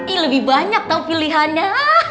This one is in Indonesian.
ih lebih banyak tau pilihannya